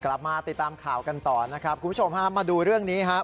กลับมาติดตามข่าวกันต่อนะครับคุณผู้ชมฮะมาดูเรื่องนี้ครับ